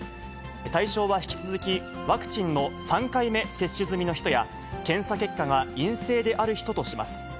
対象は引き続き、ワクチンの３回目接種済みの人や、検査結果が陰性である人とします。